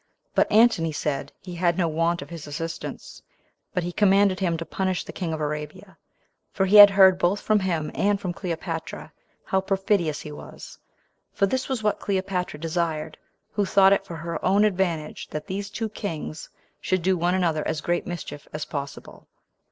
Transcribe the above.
But Antony said he had no want of his assistance; but he commanded him to punish the king of Arabia; for he had heard both from him, and from Cleopatra, how perfidious he was; for this was what Cleopatra desired, who thought it for her own advantage that these two kings should do one another as great mischief as possible.